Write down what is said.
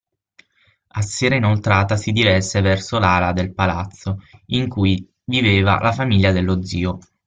A sera inoltrata si diresse verso l'ala del Palazzo in cui viveva la famiglia dello zio.